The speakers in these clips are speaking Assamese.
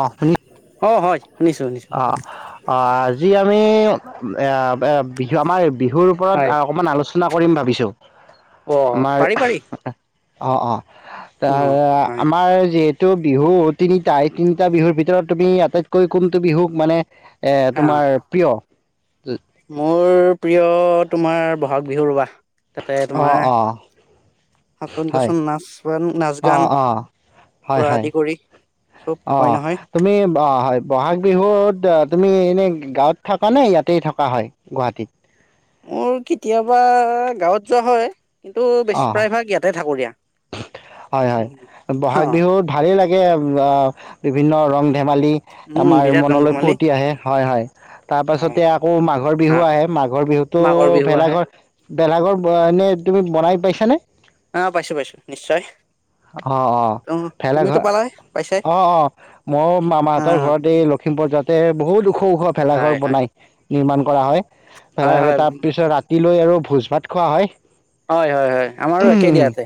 আপুনি অঁ হয় শুনিছো শুনিছো অ অ আজি আমি আমাৰ বিহুৰ ওপৰত হয় অকণমান আলোচনা কৰিম ভাবিছোঁ অ আমাৰ পাৰি পাৰি। অ অ অ তাৰ হয় আমাৰ যিহে টো বিহু তিনিটা এই তিনিটা বিহুৰ ভিতৰত তুমি আটাইতকৈ কোন, টো বিহুক মানে, এ অ তোমাৰ প্ৰিয়, উ মোৰ প্ৰিয় তোমাৰ বহাগ বিহু উৰুৱা। তাতে অ', তোমাৰ অ', হাচোন হয় কাচোন নাচ, বন নাচ অ', গান অ', হয়, পৰা হয় আদি কৰি। চব অ হয় নহয় তুমি অ হয় বহাগ বিহুত আ তুমি এনে গাঁৱত থাকা নে ইয়াতেই থকা হয় গুৱাহাটীত? মোৰ কেতিয়াবা গাঁৱত যোৱা হয়। কিন্তু বেছি অ', প্ৰায়ভাগ ইয়াতে থাকোঁ দিয়া। হয় হয় অ বহাগ বিহুত ভালেই লাগে। কে অ বিভিন্ন ৰং, ধেমালি উম আমাৰ বিৰাট ৰং মনলৈ ধেমালি ফূৰ্তি আহে হয় হয় তাৰ হয় পাছতে আকৌ মাঘৰ অ বিহু আহে মাঘৰ বিহুতো মাঘৰ বিহু আহে ভেলাঘৰ ভেলাঘৰ এনে তুমি বনাই পাইছানে? আহ পাইছো পাইছো নিশ্চয়। অ অ তুমিওতো ভেলাঘৰ পালাই পাইছাই অ অ মইওঁ অ মামাহঁতৰ ঘৰত এই লক্ষিমপুৰত যাওতে বহুত ওখ ওখ হয় ভেলাঘৰ হয় বনায়। নিৰ্মাণ কৰা হয়। ভেলা হয় ঘৰ হয় তাৰ পিছত ৰা লৈ আৰু ভোজ ভাত খোৱা হয়। হয় হয় হয় আমাৰো একেই দিয়া ইয়াতে।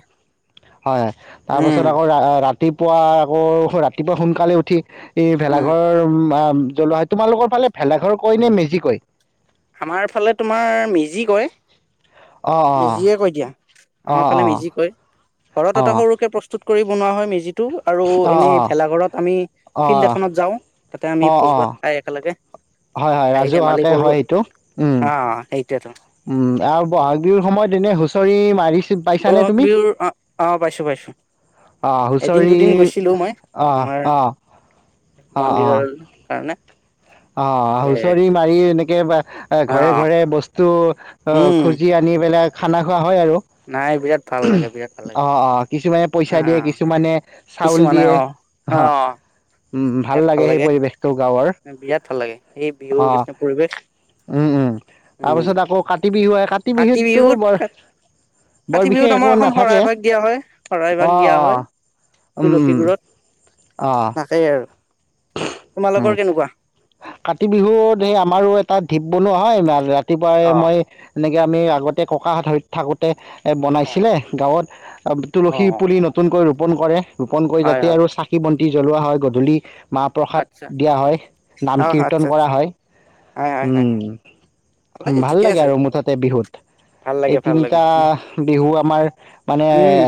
হয়। তাৰপাছত আকৌ ৰাতি ৰাতিপুৱা আকৌ ৰাতিপুৱা সোনকালে উঠি এই উম, ভেলাঘৰ। জ্বলোৱা হয় তোমালোকৰ ফালে ভেলাঘৰ কয় নে মেজি কয়? আমাৰ ফালে তোমাৰ মেজি কয়। অঁ মেজিয়ে কৈ দিয়া আমাৰ অঁ ফালে অঁ মেজি কয় ঘৰত এটা অঁ সৰুকে প্ৰস্তুত কৰি বনোৱা হয় মেজিত টো আৰু অঁ অঁ এনেই ভেলাঘৰত আমি অঁ ফিল্ড এখনত যাওঁ তাতে আমি অঁ অঁ ভোজ অঁ ভাত খাই একেলগে হয় হয় হাঁহি ধেমালি ৰাজুহোৱাকে কৰো হয় আৰু এইটো অ এইটোৱে টো উম আৰু বহাগ বিহু সময়ত এনে হুঁচৰি মাৰিছে বহাগ বিহুৰ আহ আহ পাইছো পাইছো অঁ এদিন হুঁচৰি দুদিন গৈছিলো মই অঁ আমাৰ অঁ মন্দিৰৰ কাৰণে অ এ হুচৰি মাৰি এনেকে এ ঘৰে অ', ঘৰে বস্তু অ উম, খুজি আনিপেলাই খানা খোৱা হয় আৰু নাই বিৰাট ভাল লাগে বিৰাট ভাল লাগে। অ অ কিছুমানে পইচা দিয়ে অ', কিছুমানে চাউল কিছুমানে দিয়ে অ', হ অ', উম ভাল লাগে সেই পৰিৱেশটো গাঁৱৰ বিৰাট ভাল লাগে সেই অ বিহুৰ কেইদিনৰ পৰিৱেশ উম উম উম তাৰপিছত আকৌ কাতি বিহু আহে কাতি বিহুততো বৰ বিহুত বৰ কাতি বিশেষ বিহুত একো আমাৰ এখন নাথাকে শৰাই ভাগ দিয়া হয় শৰাই অ ভাগ দিয়া অ হয় উম উম তুলসী গোৰত তাকেই আৰু উ তোমালোকৰ কেনেকুৱা কাতি বিহুত সেই আমাৰো এটা ঠিপ বনোৱা হয়। ইমান ৰাতি ৰাতিপুৱাই অ মই এনেকৈ আমি আগতে ককাহাত ধৰিত থাকোঁতে অ বনাইছিলে গাঁৱত অ তুলসী পুলি নতুনকৈ ৰু ৰোপণ কৰে ৰোপন কৰি হয় যাতে হয় আৰু চাকি বন্তি জ্বলোৱা হয় গধূলি মাহ প্ৰসাদ আচ্ছা দিয়া হয়, নাম অ কীৰ্তন আচ্ছা কৰা আচ্ছা হয়, হয় হয় হয় ভালে ওম ভাল ঠিকে লাগে আছে আৰু মুঠতে বিহুত ভাল লাগে এই ভাল তিনিটা লাগে বিহু আমাৰ মানে উম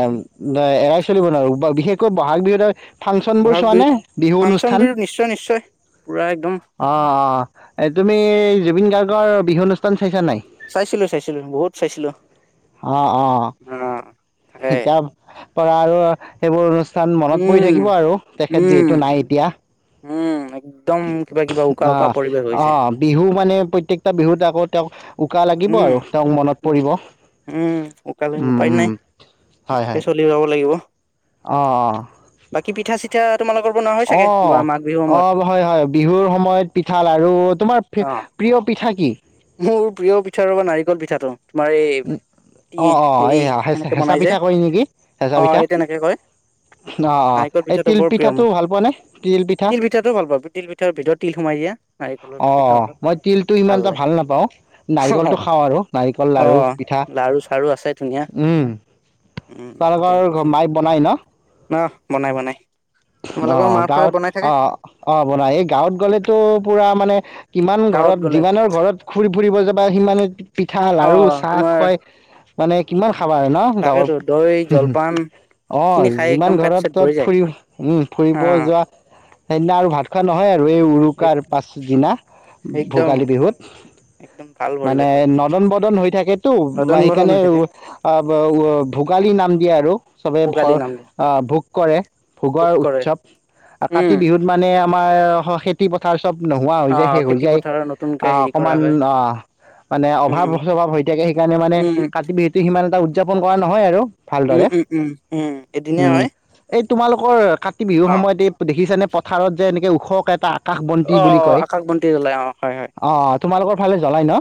ন এৰাই চলিব নোৱাৰো বিশেষকৈ বহাগ বিহুত সেই ফাংচন বোৰ বহাগ চোৱানে বিহুত বিহু আনু ফাংচন বিহুত নিশ্চয় নিশ্চয় পুৰা একদম আহ আহ তুমি জুবিন গাৰ্গক তই বিহু অনুষ্ঠান চাইছা নাই চাইছিলো চাইছিলো বহুত চাইছিলো অ তাকে এতিয়া পৰা আৰু সেইবোৰ অনুষ্ঠান কাৰণ মনত পৰি উম থাকিব আৰু তেখেত উম যিহেতু নাই এতিয়া। উম একদম কিবা কিবা উকা উকা অঁ পৰিৱেশ হৈছে অঁ বিহু মানে প্ৰত্যেকটো বিহুৰ আগত তেওঁক উকা লাগিব উম আৰু তেওঁক মনত পৰিব উম উকা লাগিব উম উপায় উম নাই সেনেকে চলি যাব লাগিব। অঁ অঁ কি পিঠা চিঠা তোমালোকৰ বনোৱা হয় চাগে অঁ বা মাঘ বিহুৰ সময়ত অঁ হয় হয় বিহুৰ সময়ত পিঠা লাৰু তোমাৰ অ প্ৰিয় পিঠা কি? মোৰ প্ৰিয় পিঠা ৰবা নাৰিকল পিঠাটো তোমাৰ এই তি অ অ হেৰি এই সেনেকৈ হেঁচা বনাই যে পিঠা কয় নেকি হেঁচা অঁ পিঠা এই তেনেকে কয় অ অ নাৰিকত এই পিঠাটো তিল বৰ প্ৰিয় ভাল পোৱানে পিঠা তিল পিঠাটো ভাল পাওঁ তিল পিঠাৰ ভিতৰত তিল সোমাই দিয়া নাৰিকলৰ অ পিঠা মই তিলটো ইমান এটা ভাল নাৰিকলটো খাওঁ আৰু নাৰিকল অ লাৰু পিঠা লাৰু চাৰু আছে ধুনীয়া উম উম তোমালোকৰ তেল পিঠা মায়ে বনাই ন ন বনাই বনাই তোমালোকৰ অঁ মাৰ ফালে গাঁৱত বনাই থাকে অঁ অঁ বনাই এই গাঁৱত গ'লেতো পুৰা মানে কিমান গাঁৱত ঘৰত গ'লে যিমানৰ ঘৰত ঘুৰি ফুৰিব যাব। বা সিমানে পিঠা অ লাৰু চাহ তোমাৰ খুৱাই মানে কিমান খাবা আৰু ন গাঁৱৰ তাকেতো দৈ হম হম জলপান খিনি অঁ খাই যিমান একদম পেট ঘৰত চেট তাত ভৰি যায় ফুৰিব উম ফুৰিব হা যোৱা। সেইদিনা আৰু ভাত খোৱা নহল এ এক উৰুকাৰ পাছদিনা একদম ভোগালী বিহুত একদম ভাল মানে পৰিৱেশ হয় নদন বদন হৈ থাকেতো নদন বদন সেইকাৰণে হৈ থাকে ভোগালী নাম দিয়ে আৰু চবে পোগালি ভৰ নাম দিয়ে ভোগ কৰে পোক ভোগৰ কৰে উৎসৱ কাতি উম বিহুত মানে আমাৰ খেতি পথাৰ চব নোহোৱা হৈ যায় আহ শেষ হৈ খেতি যায় পথাৰৰ নতুনকে আঁহ হেৰি কৰা অকমান হয় অঁ মানে অভাৱ উম সভাৱ হৈ থাকে সেইকাৰণে মানে উম কাতি বিহুটো সিমান এটা উদযাপন খোৱা নহয় আৰু উম ভালদৰে উম উম উম এদিনে উম হয়। এই তোমালোকৰ কাত বিহুৰ অ সময়ত এই দেখিছা নে? পথাৰত যে এনেকে ওখকে এটা আকাশ বন্তি অ বুলি কয় আকাশ বন্তি ওলাই অ হয় হয় তোমালোকৰ ফালে জ্বলাই ন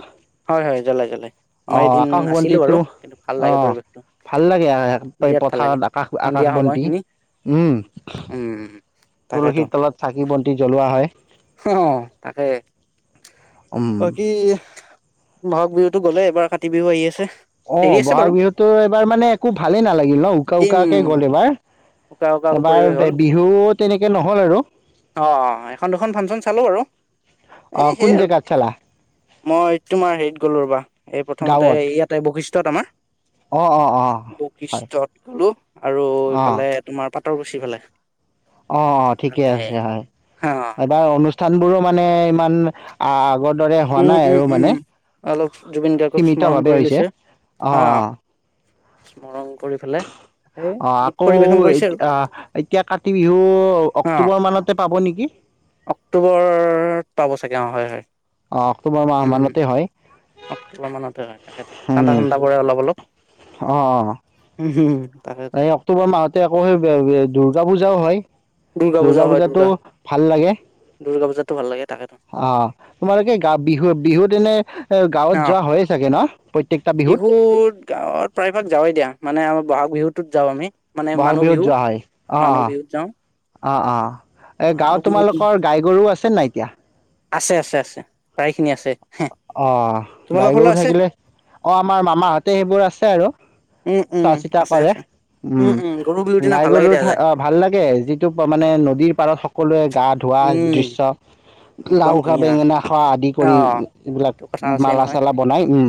হয় হয় জ্বলাই জ্বলাই মই আহ এদিন আকাশ আছিলো বাৰু বন্তিটো কিন্তু ভাল লাগে আহ পৰিৱেশটো ভাল লাগে তই বিৰাট ভাল লাগে পথাৰত আকাশ আকাশ সন্ধিয়া বন্তি সময়খিনি উম উম তাকেতো তুলসীৰ তলত চাকি বন্তি জ্বলোৱা হয়। অ তাকে উম কি। বহাগ বিহুতো গ'লে এবাৰ কাতি বিহু আহি আছে? অ দেৰি আছে বাৰু বহাগ বিহুতো এইবাৰ মানে একো ভালেই নালাগিল ন উকা এই উম উকাকে গ'ল এবাৰ। উকা উকা পৰিৱেশ হল বিহু তেনেকে নহ'ল আৰু আহ এখন দুখন ফাংচন চালো বাৰু অ' এ কোন সেইয়াই আৰু। জেগাত চালা মই তোমাৰ হেৰিত গ'লো ৰ'বা। এই প্ৰথমতে গাঁৱত ইয়াতে বৈশিষ্ট। ত আমাৰ। অ' অ' অ' হয় বৈশিষ্টত গলো আৰু। অ' ফালে তোমাৰ পাত। ৰ বেছি ফালে। অ অ ঠিকে তাতে আছে হয় হা এবাৰ অনু। স্থানবোৰো মানে ইমান আগ। উম উম উম অলপ জুবিন গাৰ্গক স্মৰণ সীমিতভাৱে কৰি হৈছে লৈছে আহ। স্মৰণ। কৰি পেলাই সেই আহ গীত আকৌ পৰিৱেশন কৰিছে আৰু আহ এতিয়া কাতি বিহু অ অক্টোবৰ মানতে পাব নেকি? তাকে অঁ হয় হয়। অ অক্টোবৰ মাহ উম মানতে হয় অক্টোবৰ মানতে হয় তাকেতো উ ঠাণ্ডা ঠাণ্ডা পৰে অলপ অলপ অ অ উম তাকেতো এই অক্টোবৰ মাহতে আকৌ সেই দুৰ্গাপূজা। জাও হয়। দুৰ্গা পূজাতো ভাল লাগে। দুৰ্গা পূজাতো ভাল লাগে। তাকেতো অ তোমালোকে গা বিহু বিহুত এনে। গাঁৱত অ যোৱা হয়ে চাগে ন প্ৰত্যেকটা বিহুত গাঁৱত প্ৰায়ভাগ যাৱেই দিয়া মানে আমাৰ বহাগ। বিহুটোত যাওঁ আমি। মানে বহাগ মানুহ বিহুত বিহু যোৱা হয় অ মানুহ বিহুত যাওঁ অ। অ অ এ মানুহ গাঁৱত বিহুত তোমালোকৰ গাই গৰু আছে নাই এতিয়া। আছে আছে আছে প্ৰায়। স খিনি আছে। হা অ গাই গৰু থাকিলে অ আমাৰ মামাহঁতে সেইবোৰ আছে আৰু উম চোৱা উম চিতা আছে কৰে আছে উম গৰু বিহুৰ দিনা গাই ভাল লাগে গৰু দিয়া যায় ভাল লাগে যিটো মানে নদীৰ পাৰত সকলোৱে গাত। ধোৱা উম দৃশ্য। একদম লাও খা ধুনীয়া বেঙেনা খা। আদি অ কৰি এইবিলাক সেইটো কথা আছে মালা নহয় চালা বনাই উম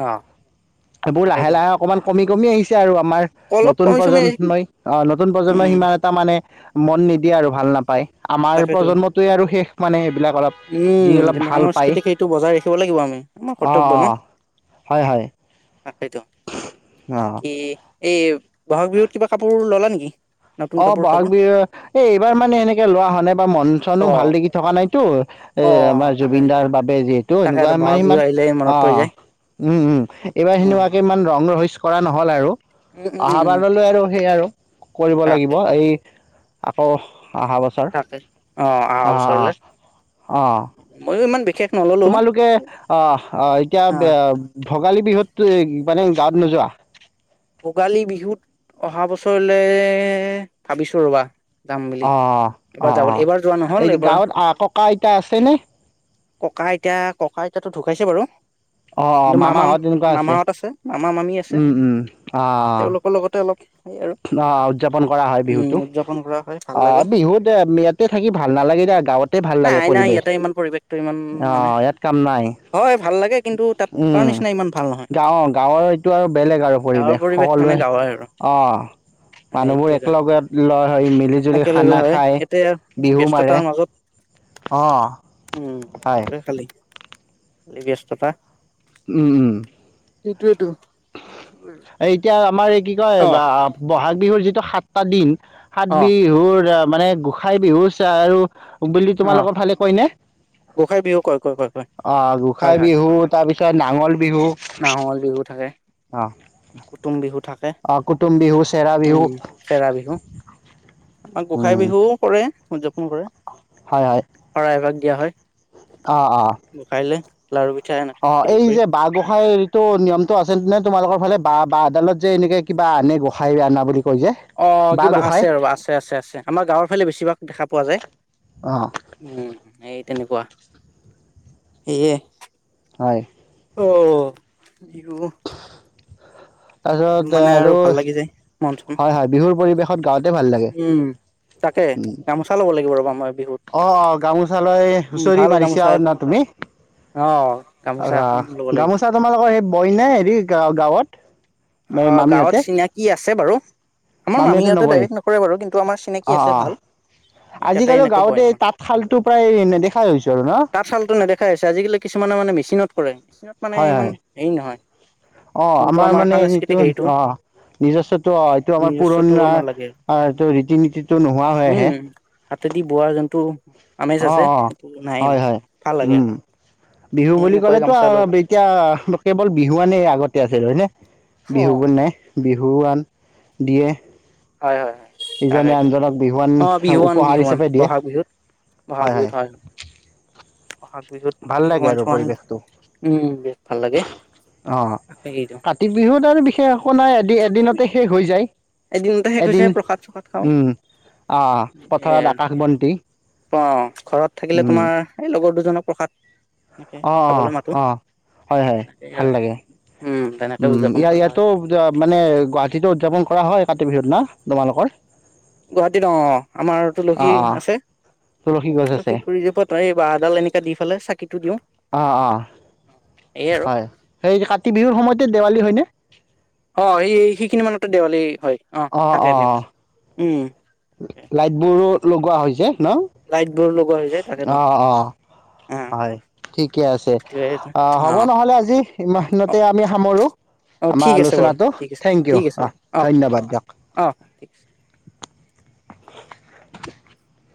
অ এইবোৰ লাহে তাকেইতো লাহে অকমান কমি কমি আহিছে আৰু আমাৰ অলপ নতুন কমি চমি প্ৰজন্মই অ নতুন প্ৰজন্মই উম সিমান এটা মানে মন নিদিয়ে আৰু ভাল নাপায় আমাৰ তাকেইতো প্ৰজন্মটোৱে আৰু শেষ মানে সেইবিলাক অলপ যি উম অলপ কিন্তু ভাল পায় সাংস্কৃতিক সেইটো বজাই ৰাখিব লাগিব আমি আমাৰ অঁ কৰ্তব্য ন অঁ হয় হয় তাকেইতো অঁ বাকী এই বহাগ বিহুত কিবা কাপোৰ ল'লা নেকি নতুন অ কাপোৰ বহাগ চাপোৰ বিহু এ এইবাৰ মানে এনেকে ৱা হনে বা মন চনো অ ভাল লাগি থকা নাইতো এ অ আমাৰ তাকে জুবিন দাৰ বাবে যিহেতু তাকে এনেকুৱা আৰু মাৰ বহাগ বিহু ইমান আহিলে মনত অ পৰি যায় উম উম এইবাৰ উম সেনেকুৱাকে ইমান ৰং ৰহস্য কৰা নহ'ল আৰু উম উম উম অহা উম বাৰলৈ আৰু সেই আৰু কিবা তাকেই এই আকৌ অহা বছৰ তাকেই অ অহা অঁ অঁ বছৰলে অঁ ময়ো ইমান বিশেষ নললো তোমালোকে আহ অহ এতিয়া অ বে এ ভোগালী বিহুত তো মানে গাঁৱত নোযোৱা ভোগালী বিহুত অহা বছৰলে ভাবিছো ৰবা যাম বুলি অ অ অ এবাৰ যাব অ এইবাৰ যোৱা নহল এই এইবাৰ গাঁৱত আহ ককা আইতা আছে নে ককা আইতা ককা আইতাতো ঢুকাইছে বাৰু অ অ কিন্তু মামা মামাহঁত তেনেকুৱা আছে মামাহত মামা মামী উম উম অঁ অঁ অঁ লক অ উদযাপন কৰা হয় বিহুতো উদযাপন কৰা হয় ভাল অ লাগে বিহুত ইয়াতে থাকি ভাল নালাগে দিয় গাঁৱতে ভাল লাগে নাই নাই পৰিৱেশ ইয়াতে ইমান পৰিৱেশটো ইমান অ মানে ইয়াত কাম নাই হয় ভাল লাগে কিন্তু তাত উম তাৰ নিচিনা ইমান ভাল নহয় গাওঁ গাঁৱৰ এইটো আৰু বেলেগ আৰু গাঁৱৰ পৰিৱেশ মানে সকলোৱে গাঁৱৰ আৰু অঁ এইটো মানুহবোৰ এটা একেলগত লৰ ধ মিলি জুলি একেলগে খানা হয় খাই, এতিয়া বিহু মাৰে। ব্যস্ততাৰ মাজত অহ, উম হয়। সেইটো খালী। আলি ব্যস্তা উম-উম সেইটয়েইেতো। এতিয়া আমাৰে কি কয় অ বা ব'হাগ বিহুৰ যিটো সাতটা দিন সাত অ বিহুৰ মানে গোসাই বিহু চ আৰু বুলি অ তোমালোকৰ ভালে কয় নে? গোসাই বিহু কয় কয় কয় কয় অহ গোঁসাই বিহু তাৰপিছত নাঙল নাঙলৰ বিহু থাকে। অ কুটুম বিহু থাকে অহ কুটুম বিহু, চেৰা বিহু উম চেৰা বিহু আমাৰ গোঁসাই উম বিহুও কৰে। উদযাপন কৰে। হয়- হয় শৰাই এভাগ দিয়া হয়। অ অ গোসাঁইলে। লাৰুবি অ এই যে বাঁ গোসাঁইৰ তটো নিয়মটো আছেে তোমালোকৰ ফালে, বা আদালত যে এনেকে কিবা আনে গোসাঁই আনা বুলি ক অ কিবা আছে ৰবা আছে-আছে-আছে। আমাৰ গাঁৱৰ ফালে বেছিভাগ দেখা পোৱা যায়। অ উ। তেনেকুৱা, সেয়ে। হয় অহ তাৰপিছত আৰু, ভাল লাগি যায় মন চন। হয়-হয় বিহুৰ পৰিবেশ গাওঁত উম তাকে গামোচা ল'ব লাগিব ৰবা মই বিহুত। অহ-অহ গামোচা লৈ উম হুঁচৰি ভাল মাৰিছা গামোচা আৰু এখন। না তুমি? অ' গামোচা এখন ল'ব আহ লাগিব। গামোচা তোমালোকৰ সেই বই নাই হেৰি গাঁৱত? অ' গাঁৱত মামীহঁতে চিনিয় কি আছে বাৰু আমাৰ মামীহঁতে ডাইৰেক্ট নকৰে বাৰু কিন্তু আমাৰ অ চিনাকি আছে অ ভাল এই তাতে আজিকালি এনেকে বয় গাঁৱতে তাঁতশালটো প্ৰায় নেদেখাই আমাৰ হৈছো আৰু ন? তাৰ চালতটো নেদেখা হৈছে আজিকালি কিছুমানে মানে ম চীনত কৰে। ত মানে হয় ইমান হয়। হেৰি নহয়। অ' যোনটো আমাৰ মানে। সাংস্কৃতিক হেৰিটো অ' নিজস্বতো অ' এইটো আমাৰ নিজস্বটো পুৰণা আমাৰ লাগে। এইটো ৰীতি নীতিটো নোহোৱা হৈ আহে। অ' অ' অ' হয় হয় ভাল লাগে উম আৰু বিহু বুলি এনেকুৱাই ক'লেতো গামোচা আৰু লৈ পেলাই। এতিয়া কেৱল বিহুৱানে আগতে আছিল হয় নে? অ'। বিহুবোৰ নে বিহু দিয়ে হয় হয় হয় ইজনে তাকেই আনজনক বিহুৱান অ' বিহুৱান উপহাৰ বিহুৱান হিচাপে দিয়ে। ব'হাগ বিহুত ব'হাগ বিহুত হয় ব'হাগ। বিহুত ভাল লাগে বিহুৱান আৰু চিহুৱান পৰিৱেশটো। উম বহুত ভাল লাগে নে কি সে সকলোৰে এদিন এদিনতে শেষ হৈ যায়। এদিনতে শেষ হৈছে এদিন প্ৰসাদ চসাদ খাওঁ এ পথাৰত আকাশ বন্তি। অ' ঘৰত থাকিলে উম, তোমাৰ এই লগৰ দুজনক প্ৰসাদ। সেকে অ', অ', খাবলৈ মাতো অ'। হয়, হয়, তেনেকেই ভাল আৰু লাগে। উম তেনেকে উম উদযাপন ইয়াৰ কৰা হয় ইয়াতো মানে গুৱাহাটীত। উদযাপন কৰা হয় কাতি বিহুৰ দিনা তোমালোকৰ গুৱাহাটীত অ' আমাৰ তুলসী অ', অ', আছে। গছ আছে তুলসী গুৰি যে ত এই বাহডাল এনেকা দি পেলাই চাকি টো দিওঁ অ' অ' সেয়ে আৰু হয় সেই কাতি বিহুৰ সময়তে দেৱালী হয়নে? উম অ' সেই সেইখিনি মানতে দেৱালী হয়। অ' থাকে দে উম লাইট বোৰো লগোৱা হৈছে। ন? লাইট বৰ লগোৱা। হৈ যায় তাকেতো অ' অ' অ হয় ঠিকে আছে। এইটোৱে অ হ'ব নহ'লে আজি ইমানতে আমি সামৰো অ আমাৰ ঠিক আছে বাৰু আলোচনাটো ঠিক আছে থেংক ইউ ঠিক আছে অ' বাৰু ধন্যবাদ দিয়ক। অ ঠিক আছে উম